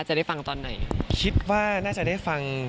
จะได้ฟังตอนไหนคิดว่าน่าจะได้ฟัง